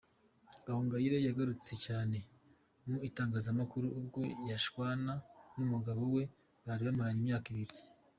Gahongayire yagarutse cyane mu itangazamakuru ubwo yashwana n’umugabo we bari bamaranye imyaka ibiri.